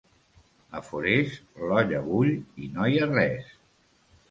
A Forès, l'olla bull i no hi ha res.